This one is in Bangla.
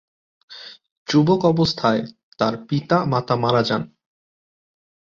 যুবক অবস্থায় তার পিতা মাতা মারা যান।